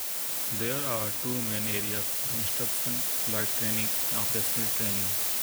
There are two main areas for instruction, flight training and operational training.